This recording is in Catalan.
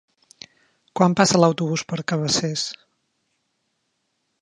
Quan passa l'autobús per Cabacés?